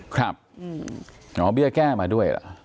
ครับหมอเบี้ยแก้มาด้วยเหรอ